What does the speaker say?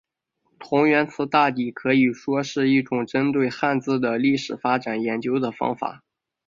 同源词大抵可以说是一种针对汉字的历史发展研究的方法。